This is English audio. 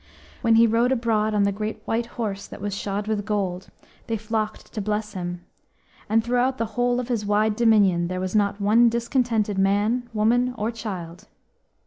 When he rode abroad on the great white horse that was shod with gold, they flocked to bless him, and throughout the whole of his wide dominion there was not one discontented man, woman, or child.